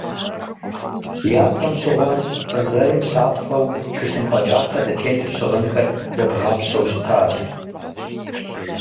Япэм щыгъуэ бэзэрым лъапцӏэу тхылъымпӏэ кӏапэ дытету щыгъынхэр зэдгъапщэу щытащ.